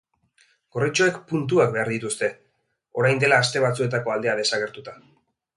Gorritxoek puntuak behar dituzte, orain dela aste batzuetako aldea desagertuta.